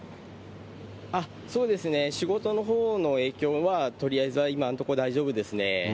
そうですね、仕事のほうの影響は、とりあえずは今のところ大丈夫ですね。